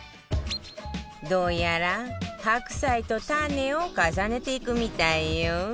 どうやら白菜とタネを重ねていくみたいよ